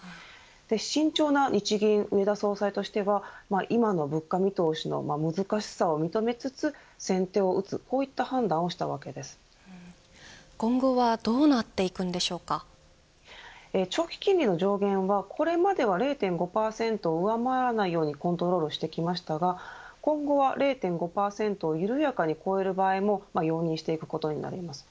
慎重な日銀、植田総裁としては今の物価見通しの難しさを認めつつ先手を打つ、こういった判断を今後は長期金利の上限はこれまでは０．５％を上回らないようにコントロールしてきましたが今後は０．５％を緩やかに超える場合も容認していくことになります。